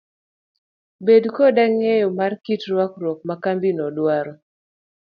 Bed koda ng'eyo mar kit rwakruok ma kambino dwaro.